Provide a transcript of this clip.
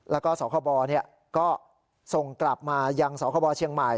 แล้วก็สคบก็ส่งกลับมายังสคบเชียงใหม่